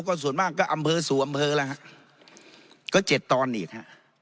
ก็ส่วนมากก็อำเภอสู่อำเภอแล้วฮะก็๗ตอนอีกฮะ